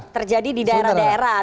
terjadi di daerah daerah